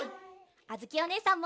あづおねえさんも。